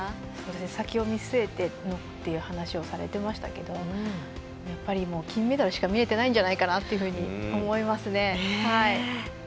先を見据えてもっていう話をされていましたがやっぱり金メダルしか見えてないんじゃないかなというふうに思いますね。